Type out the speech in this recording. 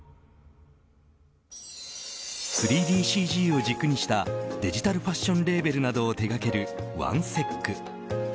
３ＤＣＧを軸にしたデジタルファッションレーベルなどを手掛ける１ＳＥＣ。